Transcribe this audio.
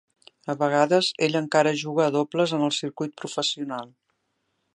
A vegades ell encara juga a dobles en el circuit professional.